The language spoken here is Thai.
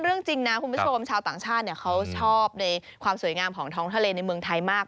จริงนะคุณผู้ชมชาวต่างชาติเขาชอบในความสวยงามของท้องทะเลในเมืองไทยมาก